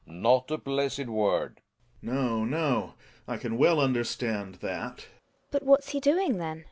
Not a blessed word. Gregers. No, no; 1 can well understand that, GiNA. But what's he doing then